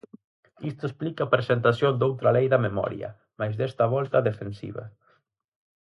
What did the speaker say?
Isto explica a presentación doutra lei da memoria, mais desta volta á defensiva.